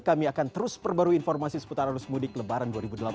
kami akan terus perbarui informasi seputar arus mudik lebaran dua ribu delapan belas